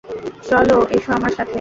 চলো, এসো আমার সাথে!